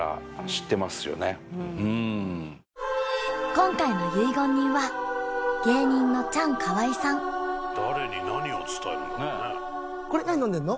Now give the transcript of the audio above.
今回の結言人は芸人のチャンカワイさん誰に何を伝えるんだろうねこれ何飲んでるの？